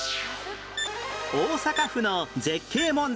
大阪府の絶景問題